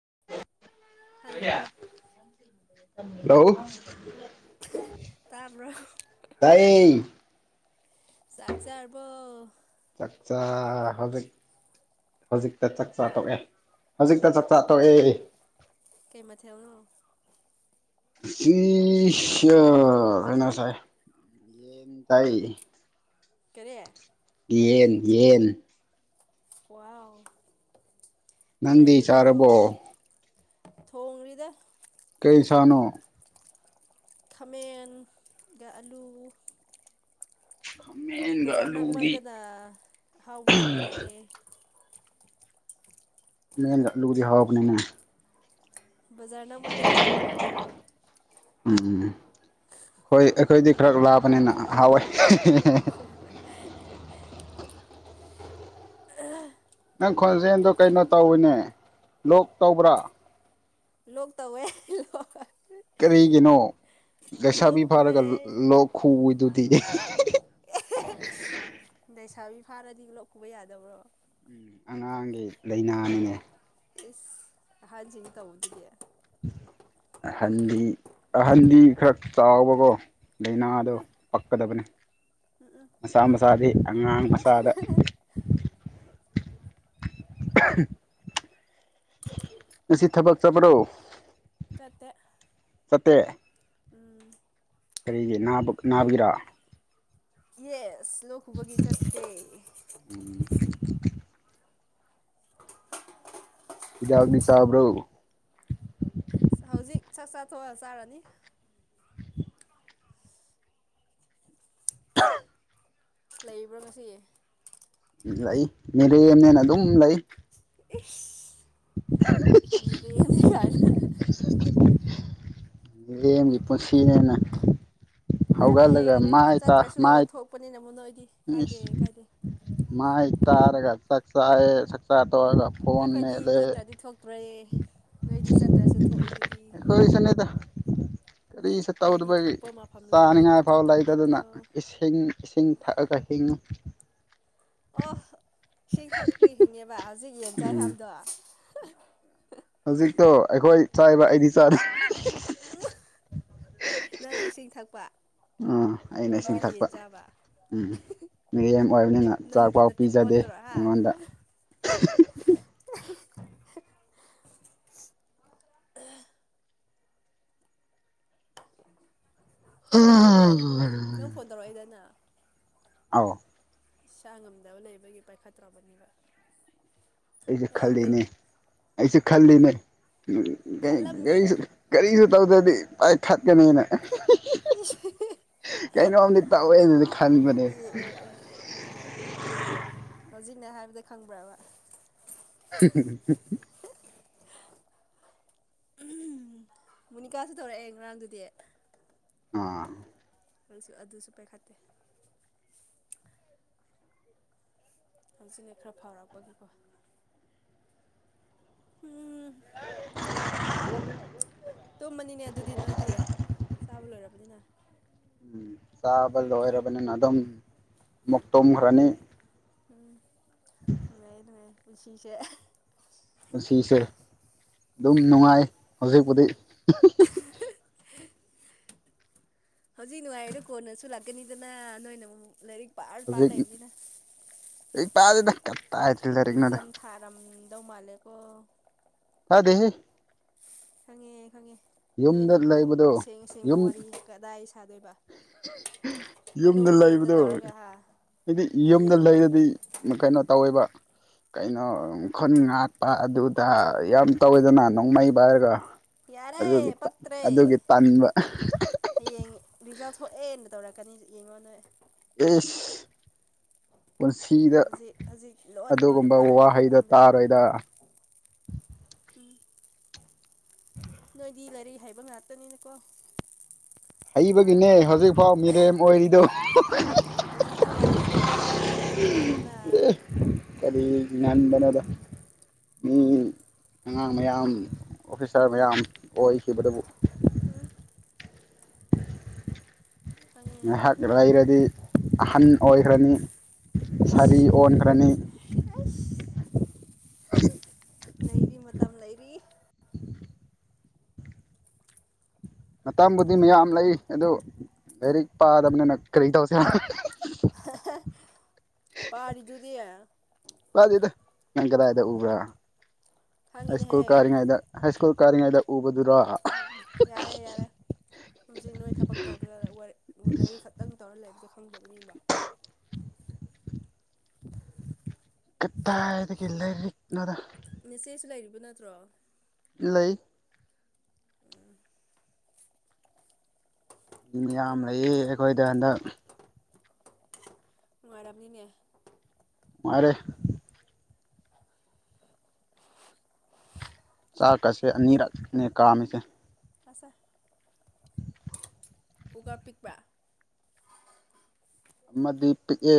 [unintelligible] hello hello ꯇ ꯍ꯭ꯔꯣ ꯇꯥꯏꯌꯦ ꯆꯥꯛꯆꯥꯥꯔꯔꯕꯣ ꯆꯥꯛꯆꯥ ꯍꯧꯖꯤ ꯍꯧꯖꯤꯛꯇ ꯆꯥꯛ ꯆꯥ ꯍꯥ ꯇꯣꯛꯑꯦ ꯍꯧꯖꯤꯛꯇ ꯆꯥꯛ ꯆꯥ ꯊꯣꯛꯣꯛꯑꯦ ꯀꯩ ꯃꯊꯦꯜ ꯑꯃꯅ ꯁꯤꯤꯁ ꯀꯩꯅꯁꯥꯏ ꯌꯦꯟ ꯇꯥꯏ ꯀꯔꯤꯦ ꯌꯦꯟ ꯌꯦꯟ ꯋꯥꯎ ꯅꯪꯗꯤ ꯆꯥꯔꯕꯣ ꯊꯣꯡꯒꯂꯤꯗ ꯀꯩꯁꯅꯣ ꯈꯥꯃꯦꯟ ꯑꯂꯨ ꯈꯥꯃꯦꯟꯒ ꯕꯖꯥꯔ ꯑꯂꯨꯒꯤ ꯅꯛꯃꯟꯗꯅ ꯑꯍꯥꯎ ꯐꯪꯗ꯭ꯔꯦ ꯃꯂꯨꯗꯤ ꯍꯣꯕꯅꯦꯅ ꯕꯖꯥꯔ ꯅꯪ ꯃꯥꯟꯗꯅ ꯑꯍꯥꯎꯕ ꯐꯪꯗ꯭ꯔꯦ ꯍꯥꯏꯕ ꯎꯝ ꯑꯩꯈꯣꯏ ꯑꯩꯈꯣꯏꯗꯤ ꯈꯔ ꯂꯥꯞ ꯅꯅ ꯍꯋꯣꯏ ꯍꯣꯏ ꯍꯣꯏ ꯅꯪ ꯈꯣꯟꯖꯦꯜꯗꯣ ꯀꯩꯅꯣ ꯇꯧꯋꯤꯅꯦ ꯂꯣꯛ ꯇꯧꯕ꯭ꯔꯥ ꯂꯣꯛ ꯇꯋꯦ ꯀꯔꯤꯒꯤꯅꯣ ꯂꯣꯛ ꯂꯩꯩꯁꯥꯕꯤ ꯐꯥꯔꯒ ꯈꯨꯑꯦ ꯂꯣꯛ ꯈꯨꯗꯨꯗꯤ [unintelligible] ꯂꯩꯁꯥꯕꯤ ꯐꯥꯔꯗꯤ ꯂꯣꯛ ꯈꯨꯕ ꯌꯥꯗꯕ꯭ꯔꯣ ꯑꯉꯥꯡꯒꯤ ꯂꯥꯏꯅꯥꯅꯤꯅꯦ ꯏꯁ [unintelligible] ꯇꯧꯗꯤꯌꯦ ꯍꯟꯗꯤ ꯑꯍꯟꯗꯤ ꯈꯔ ꯆꯥꯎꯕꯀꯣ ꯂꯩꯅꯥꯗꯣ ꯄꯛꯀꯗꯕꯅꯤ ꯃꯆꯥ ꯃꯆꯥꯗꯤ ꯑꯉꯥꯡ ꯃꯆꯥꯗ ꯉꯁꯤ ꯊꯕꯛ ꯆꯠꯄ꯭ꯔꯣ ꯆꯠꯇꯦ ꯆꯠꯇꯦ ꯎꯝ ꯀꯔꯤꯒꯤ ꯅꯥꯕ ꯅꯥꯒꯤꯔꯥ ꯌꯦꯁ ꯂꯣꯛ ꯈꯨꯕꯒꯤ ꯆꯠꯇꯦ ꯍꯤꯗꯥꯛꯇꯤ ꯆꯥꯕ꯭ꯔꯣ ꯍꯧꯖꯤꯛ ꯆꯥꯛ ꯆꯥ ꯇꯣꯛꯑ ꯆꯥꯔꯅꯤ ꯂꯩꯕ꯭ꯔꯥ ꯉꯁꯤ ꯂꯩ ꯃꯤꯔꯦꯝꯅꯦꯅ ꯑꯗꯨꯝ ꯂꯩ ꯏꯁ ꯃꯤꯔꯦꯝꯅꯤ ꯒꯥꯏꯅ ꯃꯤꯔꯦꯝꯒꯤ ꯄꯨꯟꯁꯤꯅꯦꯅ ꯌꯥꯔꯦ ꯍꯧꯒꯠꯂꯒ ꯌꯥꯔꯦ ꯃꯥꯏ ꯇꯥ ꯆꯠꯇ꯭ꯔꯁꯨ ꯃꯥꯏ ꯊꯣꯛꯄꯅꯤ ꯅ ꯃ ꯅꯣꯏꯗꯤ ꯀꯥꯏꯗꯦ ꯏꯁ ꯀꯥꯏꯗꯦ ꯃꯥꯏ ꯇꯥꯔꯒ ꯆꯥꯛ ꯆꯥꯔꯦ ꯆꯥꯛ ꯆꯥ ꯇꯣꯛꯑꯒ ꯐꯣꯟ ꯑꯩꯈꯣꯏꯗꯤ ꯃꯦꯠꯂꯦ ꯆꯠꯇ꯭ꯔꯗꯤ ꯊꯣꯛꯇ꯭ꯔꯦ ꯅꯣꯏꯗꯤ ꯆꯠꯇ꯭ꯔꯁꯨ ꯊꯣꯛꯏꯗꯨꯗꯤ [unintelligible] ꯀꯔꯤꯁꯨ ꯅꯣꯏꯗꯤ ꯇꯧꯗꯕꯒꯤ ꯊꯣꯛꯄ ꯃꯐꯝ ꯂꯩꯕꯒꯤ ꯑꯝꯇ ꯆꯥꯅꯤꯉꯥꯏ ꯐꯥꯎ ꯆꯠꯇꯕ ꯂꯩꯇꯗꯅ ꯅꯠꯇ꯭ꯔꯣ ꯏꯁꯤꯡ ꯏꯁꯤꯡ ꯊꯛꯑꯒ ꯍꯤꯡꯉꯤ ꯑꯣ ꯏꯁꯤꯡ ꯊꯛꯄꯤ [unintelligible] ꯍꯧꯖꯤꯛ ꯌꯦꯟ ꯆꯥꯏ ꯎꯝ ꯍꯥꯏꯕꯗꯣ [inaudible] ꯍꯧꯖꯤꯛꯇꯣ ꯑꯩꯈꯣꯏ ꯆꯥꯏꯕ ꯑꯩꯗꯤ ꯆꯥꯗꯦ ꯎ ꯅꯪꯅ ꯏꯁꯤꯡ ꯊꯛꯄ ꯑꯥ ꯑꯩꯅ ꯏꯁꯤꯡ ꯃꯣꯏꯅ ꯊꯛꯄ ꯌꯦꯟ ꯆꯥꯕ ꯎꯝ ꯃꯤꯔꯦꯝ ꯑꯣꯏꯕꯅꯤꯅ ꯆꯥꯛꯐꯥꯎ ꯅꯪꯗꯨꯅ ꯇꯤꯟ ꯄꯤꯖꯗꯦ ꯑꯣꯠꯇꯔꯣ ꯑꯩꯉꯣꯟꯗ ꯑꯩ ꯉꯔꯥꯡꯗꯣ ꯅꯪ ꯐꯣꯟ ꯇꯧꯔꯛꯑꯦꯗꯅ ꯑꯧ ꯏꯁꯥ ꯉꯝꯗꯕ ꯂꯩꯕꯒꯤ ꯄꯥꯏꯈꯠꯇ꯭ꯔꯕꯅꯤꯕ ꯑꯩꯁꯨ ꯈꯜꯂꯤꯅꯦ ꯑꯩꯁꯨ ꯈꯜꯂꯤꯅꯦ ꯎ ꯈꯜꯂꯝꯅꯤ ꯀꯔꯤꯁꯨ ꯀꯔꯤꯁꯨ ꯇꯧꯗꯗꯤ ꯑꯩ ꯈꯠ ꯀꯅꯦꯅ ꯀꯩꯅꯣꯝꯗꯤ ꯇꯧꯑꯦꯅꯁꯨ ꯈꯟꯕꯅꯦ ꯑꯦ ꯍꯧꯖꯤꯛꯅꯦ ꯍꯥꯏꯕꯗ ꯈꯪꯕ꯭ꯔꯕ [unintelligible] ꯃꯨꯅꯤꯀꯥꯁꯨ ꯇꯧꯔꯛꯑꯦ ꯉꯔꯥꯡꯗꯨꯗꯤ ꯑ ꯁꯨ ꯑꯗꯨꯁꯨꯄꯩ ꯈꯇ [unintelligible] ꯍꯪꯆꯤꯅꯦ ꯈꯔ ꯐꯥꯎꯔꯛꯄꯒꯤꯀꯣ ꯎꯝ ꯇꯨꯝꯃꯅꯤꯅꯦ ꯑꯗꯨꯗꯤ ꯅꯣꯏꯗꯤ ꯆꯥꯕ ꯂꯣꯏꯔꯕꯅꯤꯅ ꯎꯝ ꯆꯥꯕ ꯂꯣꯏꯔꯕꯅꯤꯅ ꯑꯗꯨꯝ ꯃꯨꯛ ꯇꯨꯝꯈ꯭ꯔꯅꯤ ꯎꯝ ꯑꯉꯥꯏꯅꯉꯥꯏ ꯁꯤꯁꯦ ꯄꯨꯟꯁꯤꯁꯦ ꯑꯗꯨꯝ ꯅꯨꯡꯉꯥꯏ [unintelligible] ꯍ ꯍꯧꯖꯤꯛ ꯅꯨꯡꯉꯥꯏꯔꯗꯣ ꯀꯣꯟꯅꯁꯨ ꯂꯥꯛꯀꯅꯤꯗꯅ ꯅꯣꯏꯅ ꯑꯃꯨꯛ ꯂꯥꯏꯔꯤꯛ ꯄꯥꯔ ꯄꯥꯜ ꯂꯩꯕꯤꯅ ꯄꯥꯖ ꯗꯇꯔ ꯑꯦꯛꯖꯝ ꯊꯥꯔꯝꯗꯧ ꯃꯥꯜꯂꯦ ꯑꯅꯦꯀ ꯗ ꯍꯦ ꯍꯉꯦ ꯈꯪꯉꯤ ꯅꯣꯏꯅꯕꯨ ꯂꯩꯕꯗꯣ ꯑꯁꯦꯡ ꯑꯁꯦꯡꯕ ꯌꯨꯝ ꯋꯥꯔꯤ ꯀꯗꯥꯏ ꯁꯥꯗꯣꯏꯕ ꯌꯨꯝꯗ ꯃꯅꯨꯡ ꯃꯅꯨꯡꯗ ꯂꯩꯕꯗꯣ ꯇꯧꯔꯒ ꯍꯥꯏꯗꯤ ꯌꯨꯝꯗ ꯍꯌꯦꯡ ꯂꯩꯔꯗꯤ ꯀꯩꯅꯣ ꯇꯧꯋꯦꯕ ꯀꯩꯅꯣ ꯈꯨꯟ ꯉꯥꯛꯄ ꯑꯗꯨꯗ ꯌꯥꯝ ꯇꯧꯋꯦꯗꯅ ꯅꯣꯡꯃꯩꯕ ꯍꯥꯏꯔꯒ ꯑꯗꯨꯒꯤ ꯌꯥꯔꯦ ꯄꯛꯇ꯭ꯔꯦ ꯑꯗꯨꯒꯤ ꯇꯟꯕ ꯍꯌꯦꯡ ꯔꯤꯖꯜ ꯊꯣꯛꯑꯦꯅ ꯇꯧꯔꯛꯀꯅꯤ ꯌꯦꯡꯉꯣ ꯅ ꯦꯁ ꯍꯧꯖꯤꯛ ꯍꯧꯖꯤꯛ ꯂꯣꯟꯅ ꯂꯣꯟꯅ ꯑꯗꯨꯒꯨꯝꯕ ꯄꯥꯔꯤꯗꯣ ꯋꯥꯍꯩꯗꯣ ꯈꯪꯗꯕꯤ ꯅꯤꯡꯕ ꯇꯥꯔꯣꯏꯗ ꯎꯝ ꯅꯣꯏꯗꯤ ꯂꯥꯏꯔꯤꯛ ꯍꯥꯏꯕ ꯉꯥꯛꯇꯅꯤꯅꯀꯣ ꯄꯥꯔ ꯍꯩꯕꯒꯤꯅꯦ ꯄꯥꯔꯒ ꯍꯧꯖꯤꯛꯐꯥꯎ ꯃꯤꯔꯦꯝ ꯑꯣꯏꯔꯤꯗꯨꯣ ꯍꯧꯖꯤꯛꯇꯤ ꯉꯜꯂꯤꯗꯅ ꯑꯉꯥꯡ ꯑꯣꯏꯔꯤꯗꯅ ꯉꯟꯗꯅꯗ ꯃꯤ ꯑꯉꯥꯡ ꯃꯌꯥꯝ ꯑꯣꯐꯤꯁꯥꯔ ꯃꯌꯥꯝ ꯑꯣꯏꯈꯤꯕꯗꯨꯕꯨ ꯎꯝ ꯈꯪꯉꯦ ꯉꯥꯏꯍꯥꯛ ꯈꯪꯉꯦ ꯂꯩꯔꯗꯤ ꯑꯍꯟ ꯑꯣꯏꯈ꯭ꯔꯅꯤ ꯏꯁ ꯁꯥꯔꯤ ꯑꯣꯟꯈ꯭ꯔꯅꯤ ꯑꯩꯁ ꯂꯩꯔꯤ ꯃꯇꯝ ꯂꯩꯔꯤ ꯃꯇꯝꯕꯨꯗꯤ ꯃꯌꯥꯝ ꯂꯩ ꯑꯗꯨ ꯂꯥꯏꯔꯤꯛ ꯄꯥꯗꯕꯅꯤꯅ ꯀꯔꯤ ꯇꯧꯁꯦ ꯄꯍꯥꯔ ꯏꯗꯨꯗꯤ ꯍꯥꯏ ꯂꯗꯤꯗ ꯅꯪ ꯀꯗꯥꯏꯗ ꯎꯕ꯭ꯔꯥ ꯍ ꯁꯀꯨꯜ ꯈꯪꯉꯤꯅꯦꯍꯦ ꯀꯥꯔꯤꯉꯗ ꯍ ꯁ꯭ꯀꯨꯜ ꯀꯔꯤꯉꯥꯏꯗ ꯌꯥꯔꯦ ꯌꯥꯔꯦ ꯍꯧꯖꯤꯛ ꯅꯣꯏ ꯊꯕꯛ ꯇꯧꯗꯒ ꯂꯩꯥꯏꯔꯤꯛ ꯈꯛꯇꯪ ꯇꯧꯔ ꯂꯩ ꯟꯗ ꯑꯣꯏꯅꯤꯡꯕ [unintelligible] ꯀꯗꯥꯗꯒꯤ ꯂꯥꯏꯔꯤꯛꯅꯣꯗ ꯏꯆꯦꯁꯨ ꯂꯩꯔꯤꯕ ꯅꯠꯇ꯭ꯔꯣ ꯂꯩ ꯎꯝ ꯃꯌꯥꯝ ꯂꯩ ꯑꯩꯈꯣꯏꯗ ꯍꯟꯗꯛ ꯃꯔꯥꯅꯤꯅꯦ ꯃꯥꯔꯦ ꯆꯥꯛꯀꯁꯦ ꯑꯅꯤꯔꯛꯅꯦ ꯀꯥꯝꯃꯤꯁꯦ ꯑꯁ [unintelligible] ꯄꯤꯛꯄ꯭ꯔ ꯑꯃꯗꯤ ꯄꯤꯛꯑꯦ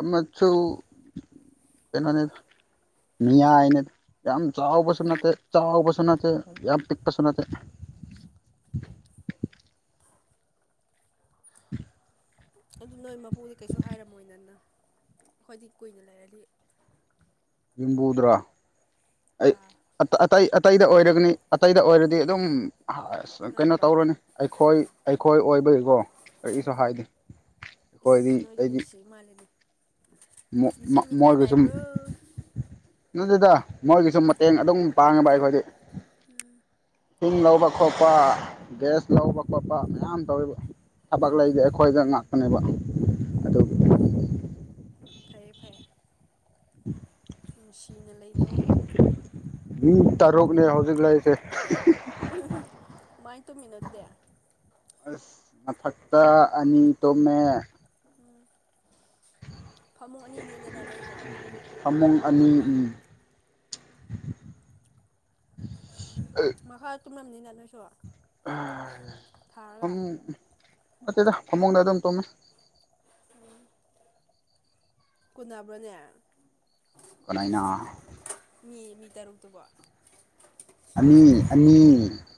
ꯑꯃꯁꯨ ꯀꯩꯅꯣꯅꯤ ꯃꯤꯌꯥꯏꯅꯦ ꯌꯥꯝ ꯆꯥꯕꯁꯨꯅꯠꯇꯦ ꯆ ꯆꯥꯎꯕꯁꯅꯠꯇꯦ ꯌꯥꯝ ꯄꯤꯛꯄꯁꯨꯅꯠꯇꯦ ꯎꯝ ꯑꯗꯨ ꯅꯣꯏ ꯃꯄꯨꯗꯤ ꯀꯩꯁꯨ ꯍꯥꯏꯔꯝꯃꯣꯏꯅꯤꯅ ꯈ꯭ꯋꯥꯏꯗꯤ ꯀꯨꯏꯅ ꯂꯩꯔꯗꯤ ꯌꯨꯝꯕꯨꯗ꯭ꯔꯣ ꯑꯩ ꯑꯥ ꯑꯇꯩ ꯑꯇꯩꯗ ꯑꯣꯏꯔꯒꯅꯤ ꯑꯇꯩꯗ ꯑꯣꯏꯔꯗꯤ ꯑꯗꯨꯝ ꯀꯩꯅꯣ ꯉꯥꯡꯕ꯭ꯔꯥ ꯇꯧꯔꯅꯤ ꯑꯩꯈꯣꯏ ꯑꯩꯈꯣꯏ ꯑꯣꯏꯕꯒꯤꯀꯣ ꯀꯔꯤꯁꯨ ꯍꯥꯏꯗꯦ ꯑꯩꯈꯣꯏꯗꯤ ꯏꯁ ꯅꯣꯏꯗꯤ ꯑꯩꯗꯤ ꯅꯨꯡꯁꯤ ꯃꯥꯜꯂꯦꯅꯦ ꯃꯤꯆꯝ ꯃꯤꯈꯥꯏ ꯃꯣꯏꯒꯁꯨꯨꯝ ꯅꯥꯏꯕ꯭ꯔꯣ ꯅꯦꯗ ꯃꯣꯏꯒꯤꯁꯨ ꯃꯇꯦꯡ ꯑꯗꯨꯝ ꯄꯥꯡꯉꯦꯕ ꯑꯩꯈꯣꯏꯗꯤ ꯊꯨꯝ ꯂꯧꯕ ꯈꯣꯠꯄ ꯒ꯭ꯌꯥꯁ ꯂꯧꯕ ꯈꯣꯠꯄ ꯃꯌꯥꯝ ꯇꯧꯑꯦꯕ ꯊꯕꯛ ꯂꯩꯒꯦ ꯑꯩꯈꯣꯏꯗ ꯉꯍ ꯀꯕ ꯑꯗꯣ ꯐꯩꯌꯦ ꯐꯩꯌꯦꯦ ꯅꯨꯡꯁꯤꯅ ꯃꯤ ꯇꯔꯨꯛꯅꯦ ꯍꯧꯖꯤꯛ ꯂꯩꯔꯤꯁꯦ ꯂꯩꯅꯧꯃꯥꯏ ꯇꯨꯃꯤꯟꯅꯗꯨꯗꯦ ꯑꯁ ꯃ ꯐꯛꯇ ꯑꯅꯤ ꯇꯣ ꯃ ꯎꯝ ꯐꯃꯨꯡ ꯑꯅꯤꯅꯦ ꯑꯗꯨꯗ ꯅꯣꯏꯁꯨ ꯐꯃꯨꯡ ꯑꯅꯤ ꯎꯝ [inaudible] ꯃꯍꯥ ꯆꯨꯝꯅꯝꯅꯤꯅ ꯅꯣꯏꯁꯨꯣ ꯑ ꯊꯥꯔꯒ ꯅꯠꯇꯦꯗ ꯐꯃꯨꯡꯗ ꯑꯗꯨꯝ ꯇꯨꯝꯃꯦ ꯀꯨꯅꯕ꯭ꯔꯅꯦ ꯀꯅꯥꯅ ꯃꯤ ꯃꯤ ꯇꯔꯨꯛꯇꯨꯕꯣ ꯑꯅꯤ ꯑꯅꯤ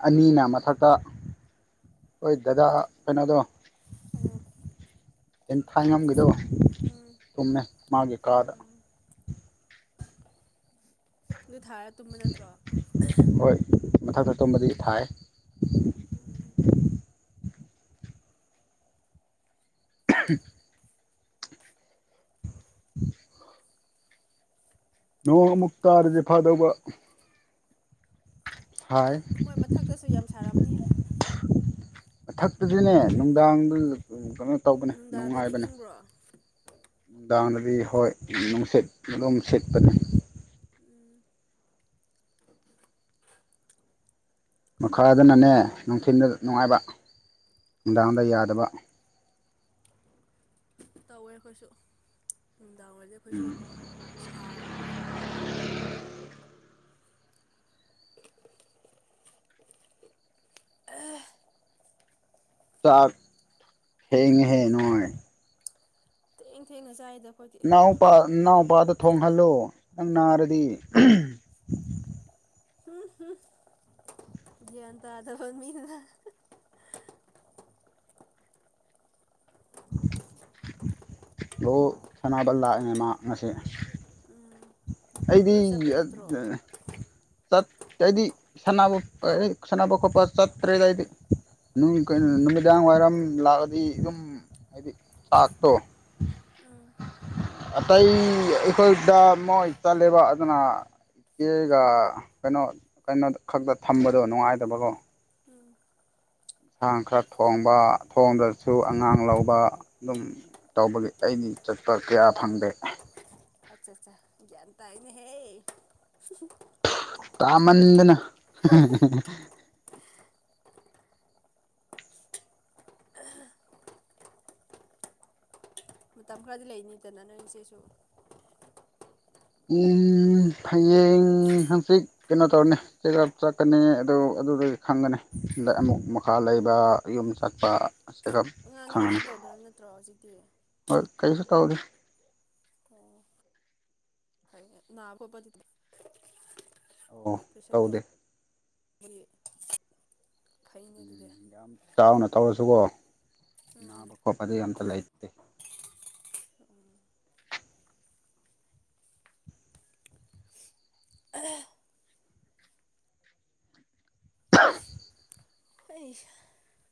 ꯑꯅꯤꯅ ꯃꯊꯛꯇ ꯍꯣꯏ ꯗꯗꯥ ꯀꯩꯅꯣꯗꯣ ꯑꯣ ꯇꯦꯟꯊꯥꯏꯉꯝꯒꯤꯗꯣ ꯎꯝ ꯇꯨꯝꯃꯦ ꯃꯥꯒꯤ ꯀꯥꯗ ꯑꯗꯨ ꯊꯥꯔ ꯇꯨꯝꯕ ꯅꯠꯇ꯭ꯔꯣ ꯃꯊꯛꯛꯇ ꯇꯨꯝꯕꯗꯤ ꯁꯥꯏ ꯎꯝ [unintelligible] [inaudible] ꯅꯣꯡ ꯑꯃꯨꯛ ꯇꯥꯔꯗꯤ ꯐꯥꯗꯧꯕ ꯃꯣꯏ ꯃꯊꯛꯇꯁꯨ ꯌꯥꯝ ꯁꯥꯔꯝꯅꯤ ꯃꯊꯛꯇꯗꯤꯅꯦ ꯅꯨꯡꯗꯥꯡꯗꯨ ꯀꯩꯅꯣ ꯇꯧꯕꯅꯦ ꯅꯨꯡꯗꯥꯡꯗꯗꯤ ꯅꯨꯡꯉꯥꯏꯕꯅꯦ ꯏꯪꯕ꯭ꯔꯣ ꯅꯨꯡꯗꯥꯡ ꯀꯔꯤ ꯍꯣꯏ ꯅꯨꯡꯁꯤꯠ ꯑꯗꯨꯝ ꯁꯤꯠꯄꯅꯦ ꯎꯝ ꯃꯈꯥꯗꯅꯅꯦ ꯅꯨꯡꯊꯤꯜꯗ ꯅꯨꯡꯉꯥꯏꯕ ꯎꯝ ꯅꯨꯡꯗꯥꯡꯗ ꯌꯥꯗꯕ ꯇꯧꯋꯦ ꯑꯩꯈꯣꯏꯁꯨ ꯅꯨꯡꯗꯥꯡ ꯑꯣꯢꯔꯗꯤ ꯑꯩꯈꯣꯏꯁꯤ ꯁꯥꯔꯕꯀꯣ [unintelligible] ꯆꯥꯛ ꯊꯦꯡꯉꯦꯍꯦ ꯅꯣꯏ ꯊꯦꯡ ꯊꯦꯡꯅ ꯆꯥꯏ ꯅꯥꯎꯄꯥ ꯅꯥꯎꯄꯥꯗ ꯊꯣꯡꯍꯜꯂꯣ ꯅꯪ ꯅꯥꯔꯗꯤ ꯎꯝ ꯍꯝ ꯒ꯭ꯥꯌꯟ ꯇꯥꯗꯕ ꯃꯤꯅ ꯍꯣ ꯁꯥꯅꯕ ꯂꯥꯛꯑꯦ ꯃꯥ ꯉꯁꯤ ꯎꯝ ꯑꯩꯗꯤ ꯆꯠꯇꯦꯗꯤ ꯍꯥꯏꯗꯤ ꯁꯥꯟꯅꯕ ꯁꯥꯟꯅꯕ ꯈꯣꯠꯄ ꯆꯠꯇ꯭ꯔꯦꯗꯗꯤ ꯀꯩꯅꯣ ꯅꯨꯃꯤꯗꯥꯡ ꯋꯥꯏꯔꯝ ꯂꯥꯛꯑꯗꯤ ꯑꯗꯨꯝ ꯍꯥꯏꯗꯤ ꯆꯥꯛꯇꯣ ꯎꯝ ꯑꯇꯩ ꯑꯩꯈꯣꯏꯗ ꯃꯣꯏ ꯆꯠꯂꯦꯕ ꯑꯗꯨꯅ ꯏ ꯀꯦꯒ ꯀꯩꯅꯣ ꯀꯩꯅꯣ ꯈꯛꯇ ꯊꯝꯕꯗꯣ ꯅꯨꯡꯉꯥꯏꯇꯕꯀꯣ ꯎꯝ ꯁꯥ ꯈꯔ ꯊꯣꯡꯕ ꯊꯣꯡꯗ꯭ꯔꯁꯨ ꯑꯉꯥꯡ ꯂꯧꯕ ꯑꯗꯨꯝ ꯇꯧꯕꯒꯤ ꯑꯩꯗꯤ ꯆꯠꯄ ꯀꯌꯥ ꯐꯪꯗꯦ ꯑꯠꯆꯥ ꯑꯠꯆꯥ ꯒ꯭ꯌꯥꯟ ꯇꯥꯏꯅꯦ ꯍꯦ ꯀꯥꯃꯟꯗꯅ ꯃꯇꯝ ꯈꯔꯗꯤ ꯂꯩꯅꯤꯗꯅ ꯅꯣꯏ ꯏꯆꯦꯁꯨ ꯎ ꯍꯌꯦꯡ ꯍꯪꯆꯤꯠ ꯀꯩꯅꯣ ꯇꯧꯔꯅꯤ ꯆꯦꯞ ꯆꯠꯀꯅꯤ ꯑꯗꯨ ꯑꯗꯨꯗ ꯈꯪꯒꯅꯤꯗ ꯑꯃꯨꯛ ꯃꯈꯥ ꯂꯩꯕ ꯎꯝ ꯌꯨꯝ ꯆꯠꯄ ꯑꯉꯥꯡꯗꯤ ꯈꯪ ꯉꯥꯅꯤ ꯀꯩꯁꯨ ꯇꯧꯗ꯭ꯔꯕ ꯅꯠꯇ꯭ꯔꯣ ꯍꯧꯖꯤꯛꯇꯤ ꯍꯣꯏ ꯀꯩ ꯇꯧꯎꯗꯦ ꯅꯥ ꯈꯣꯠꯄꯗꯤ ꯑꯣ ꯑꯣꯄ꯭ꯔꯦꯁꯟ ꯇꯧꯗꯦ [unintelligible] ꯑꯗꯨꯗꯤ ꯌꯥꯝ ꯆꯥꯎꯅ ꯇꯧ [unintelligible] ꯎꯝ ꯅꯥꯕ ꯈꯣꯠꯄꯗꯣ ꯌꯥꯝ ꯇꯜꯂꯦ ꯑꯩ ꯗꯤ [unintelligible] [unintelligible] [unintelligible]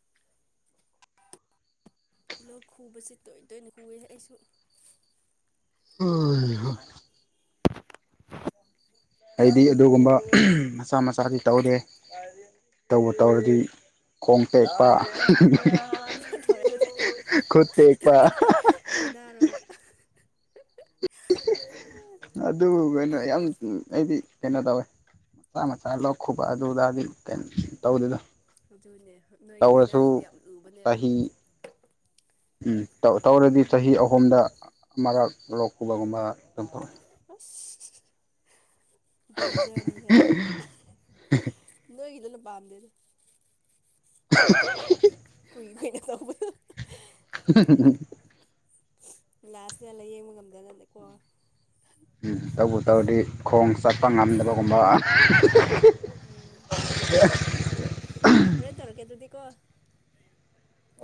ꯂꯣꯛ ꯈꯨꯕꯕꯁꯤ ꯇꯣꯏ ꯇꯣꯏꯅ ꯈꯨꯋꯤ ꯑꯩꯁꯨ ꯍꯣꯏ ꯍꯣꯏ [unintelligible] ꯑꯩꯗꯤ ꯑꯗꯨꯒꯨꯝꯕ ꯃꯆꯥ ꯃꯆꯥꯗꯤ ꯇꯧꯗꯦ ꯇꯧꯕꯨ ꯇꯧꯔꯗꯤ ꯈꯣꯡ ꯇꯦꯛꯄ ꯑꯣꯖꯥꯅ ꯇꯧꯔꯦ ꯑꯗꯨꯗꯤ ꯑꯁ ꯈꯨꯠ ꯇꯦꯛꯄ ꯑꯗꯨ ꯌꯥꯝꯇ ꯂꯩꯅꯥꯨꯔꯕ ꯑꯗꯨꯕꯨ ꯀꯩꯅꯣ ꯌꯥꯝ ꯑꯩꯗꯤ ꯀꯩꯅꯣ ꯇꯧꯋꯦ ꯃꯆꯥ ꯃꯆꯥ ꯂꯧ ꯈꯨꯕ ꯑꯗꯨꯗꯗꯤ ꯀꯩꯅꯣ ꯇꯧꯗꯦꯗꯣ ꯑꯗꯨꯅꯦ ꯅꯣꯏꯒꯤ ꯂꯥꯏꯅꯥꯁꯤꯗꯤ ꯌꯥꯝ ꯂꯨꯕꯅꯦꯕ ꯆꯍꯤ ꯎꯝ ꯇꯧ ꯇꯧꯔꯗꯤ ꯆꯍꯤ ꯑꯍꯨꯝꯗ ꯑꯃꯔꯛ ꯂꯣꯛ ꯈꯨꯕꯒꯨꯝꯕ ꯗꯪ ꯇꯧꯏ [unintelligible] ꯗꯦꯟꯖꯔꯅꯤ ꯍꯦ ꯅꯣꯏꯒꯤꯗꯨꯅ ꯄꯥꯝ ꯗꯦꯗ [unintelligible] ꯀꯨꯏ ꯈꯣꯏꯅ ꯇꯧꯕꯗꯣ [unintelligible] ꯂꯥꯁꯗ ꯂꯥꯏꯌꯦꯡꯕ ꯉꯝꯗꯅꯅꯀꯣ ꯎꯝ ꯇꯧꯕꯨ ꯇꯧꯔꯗꯤ ꯈꯣꯡ ꯆꯠꯄ ꯉꯝꯗꯕꯒꯨꯝꯕ ꯎꯝ ꯐꯔꯦ ꯐꯔꯦ ꯍꯣꯔꯦꯟ ꯇꯧꯔꯛꯀꯦ ꯑꯗꯨꯗꯤ ꯀꯣ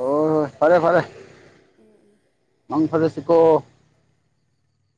ꯑꯣ ꯍꯣꯏ ꯐꯔꯦ ꯐꯔꯦ ꯎꯝ ꯎꯝ ꯃꯪ ꯐꯔ ꯀꯣ